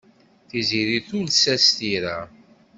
Tiziri tules-as tira.